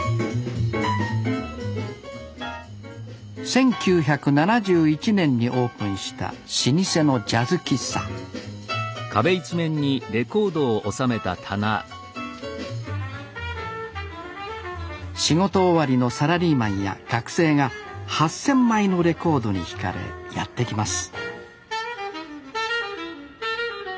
１９７１年にオープンした老舗のジャズ喫茶仕事終わりのサラリーマンや学生が８，０００枚のレコードにひかれやって来ます